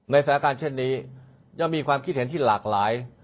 สถานการณ์เช่นนี้ยังมีความคิดเห็นที่หลากหลาย